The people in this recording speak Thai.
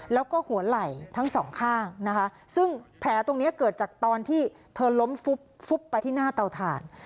แล้วก็หัวไหล่ทั้งสองข้างนะคะซึ่งแผลตรงนี้เกิดจากตอนที่เธอล้มฟุบไปที่หน้าเตาถ่าน